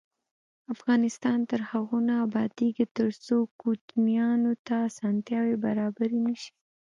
افغانستان تر هغو نه ابادیږي، ترڅو کوچیانو ته اسانتیاوې برابرې نشي.